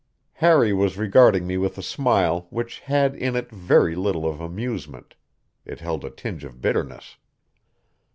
Harry was regarding me with a smile which had in it very little of amusement; it held a tinge of bitterness.